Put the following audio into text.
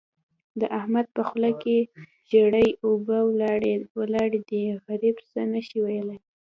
د احمد په خوله کې ژېړې اوبه ولاړې دي؛ غريب څه نه شي ويلای.